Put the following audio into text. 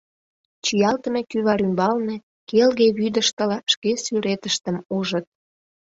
Чиялтыме кӱвар ӱмбалне, келге вӱдыштыла, шке сӱретыштым ужыт.